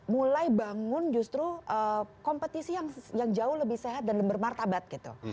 mulai bangun justru kompetisi yang jauh lebih sehat dan bermartabat gitu